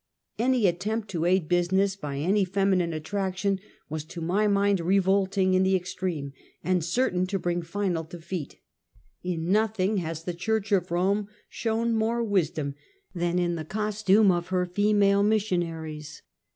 Any attempt to aid business by any feminine at traction was to my mind revolting in the extreme, and certain to bring final defeat. In nothing has the church of Rome shown more wisdom than in the cos tume of her female missionaries.